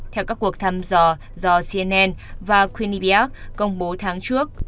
theo các cuộc thăm dò do cnn và kunibiak công bố tháng trước